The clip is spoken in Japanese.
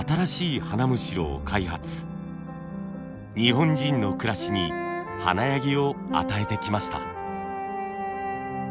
日本人の暮らしに華やぎを与えてきました。